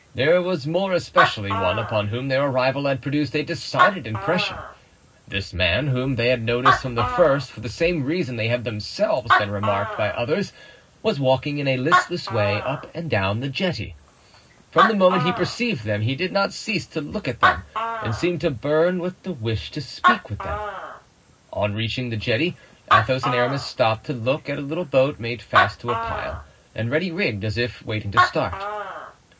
There was more especially one upon whom their arrival had produced a decided impression. This man, whom they had noticed from the first for the same reason they had themselves been remarked by others, was walking in a listless way up and down the jetty. From the moment he perceived them he did not cease to look at them and seemed to burn with the wish to speak to them. On reaching the jetty Athos and Aramis stopped to look at a little boat made fast to a pile and ready rigged as if waiting to start.